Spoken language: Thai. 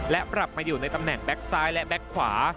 และปรับมาอยู่ในตำแหน่งแก๊กซ้ายและแก๊กขวา